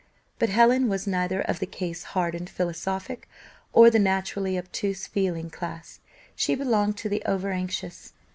But Helen was neither of the case hardened philosophic, or the naturally obtuse feeling class; she belonged to the over anxious.